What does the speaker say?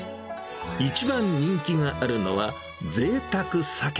一番人気があるのは、ぜいたく鮭。